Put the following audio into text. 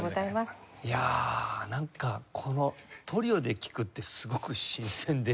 いやあなんかこのトリオで聴くってすごく新鮮でした。